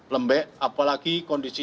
lembek apalagi kondisi